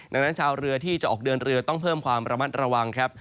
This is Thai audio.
ดังนั้นชาวเรือที่จะออกเดินเรือต้องเพิ่มความระมัดระวังครับ